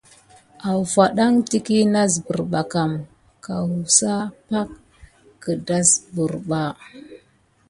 Awfaɗan təkiy nasbər ɓa kam kawusa pak gedasbirba.